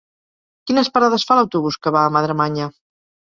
Quines parades fa l'autobús que va a Madremanya?